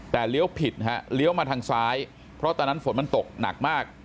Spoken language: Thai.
แต่เลี้ยวผิดฮะเลี้ยวมาทางซ้ายเพราะตอนนั้นฝนมันตกหนักมาก